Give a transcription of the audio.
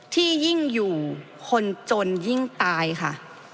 ที่ยิ่งอยู่คนจนยิ่งตายค่ะ